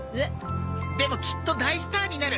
でもきっと大スターになる。